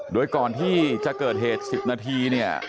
โดยก่อนที่จะเกิดเหตุ๑๐นาทีเนี่ย